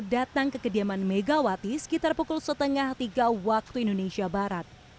datang ke kediaman megawati sekitar pukul setengah tiga waktu indonesia barat